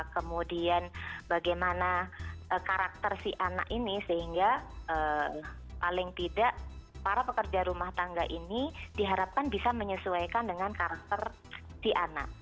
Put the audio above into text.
kemudian bagaimana karakter si anak ini sehingga paling tidak para pekerja rumah tangga ini diharapkan bisa menyesuaikan dengan karakter si anak